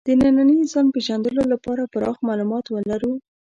د ننني انسان پېژندلو لپاره پراخ معلومات ولرو.